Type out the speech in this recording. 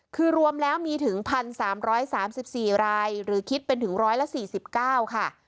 คือรวมแล้วมีถึง๑๓๓๔รายหรือคิดเป็นถึง๑๔๙ค่ะ